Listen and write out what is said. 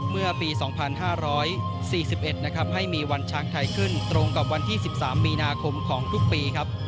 เมื่อปี๒๕๔๑นะครับให้มีวันช้างไทยขึ้นตรงกับวันที่๑๓มีนาคมของทุกปีครับ